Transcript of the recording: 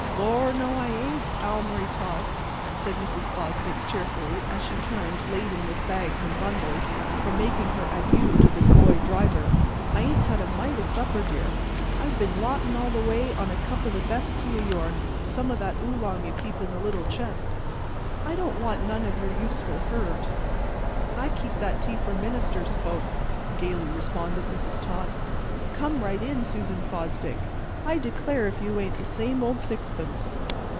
"Lor', no, I ain't, Almiry Todd," said Mrs. Fosdick cheerfully, as she turned, laden with bags and bundles, from making her adieux to the boy driver. "I ain't had a mite o' supper, dear. I've been lottin' all the way on a cup o' that best tea o' yourn, some o' that Oolong you keep in the little chist. I don't want none o' your useful herbs." "I keep that tea for ministers' folks," gayly responded Mrs. Todd. "Come right along in, Susan Fosdick. I declare if you ain't the same old sixpence!"